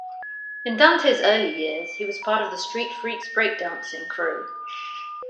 In Dante's early years, he was part of the Streat Freaks breakdancing crew.